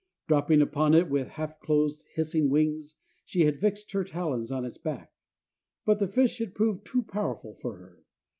Dropping upon it with half closed, hissing wings, she had fixed her talons in its back. But the fish had proved too powerful for her.